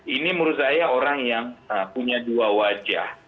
ini menurut saya orang yang punya dua wajah